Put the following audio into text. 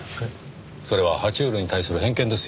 それは爬虫類に対する偏見ですよ。